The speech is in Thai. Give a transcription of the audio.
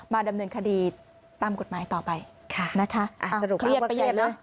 มาดำเนินคดีตามกฎหมายต่อไปนะคะ